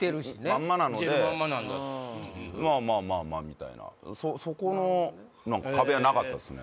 まんまなのでそのまんまなんだまあまあまあまあみたいなそこの何か壁はなかったっすね